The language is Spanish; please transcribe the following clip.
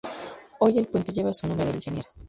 Hoy el puente lleva su nombre del ingeniero.